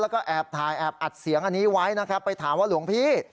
แล้วก็แอบถ่ายแอบอัดเสียงอันนี้ไว้นะครับไปถามว่าหลวงพี่